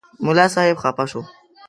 ملا صاحب خفه شو.